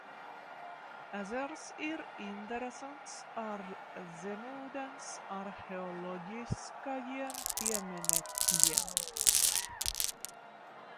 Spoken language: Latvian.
Ezers ir interesants ar zemūdens arheoloģiskajiem pieminekļiem.